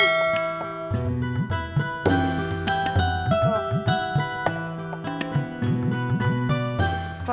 ini buat ke pengajian